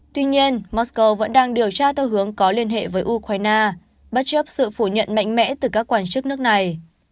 tuy nhiên mosco vẫn đang điều tra theo hướng có liên hệ với ukraine bất chấp sự phủ nhận mạnh mẽ từ các quan chức nước này